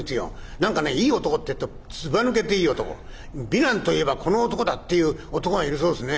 何かねいい男ってぇとずばぬけていい男美男と言えばこの男だっていう男がいるそうですね？」。